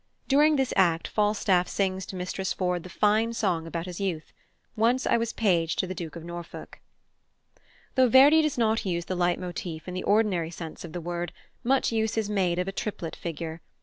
During this act Falstaff sings to Mistress Ford the fine song about his youth, "Once I was page to the Duke of Norfolk." Though Verdi does not use the leit motif in the ordinary sense of the word, much use is made of a triplet figure.